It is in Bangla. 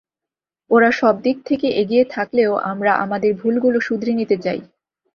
ওরা সবদিক থেকে এগিয়ে থাকলেও আমরা আমাদের ভুলগুলো শুধরে নিতে চাই।